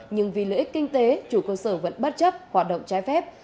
nhưng vì lợi ích kinh tế chủ cơ sở vẫn bất chấp hoạt động trái phép